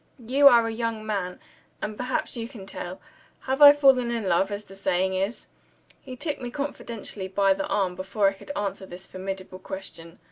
You are a young man, and perhaps you can tell. Have I fallen in love, as the saying is?" He took me confidentially by the arm, before I could answer this formidable question.